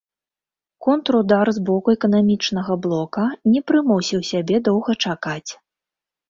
Контрудар з боку эканамічнага блока не прымусіў сябе доўга чакаць.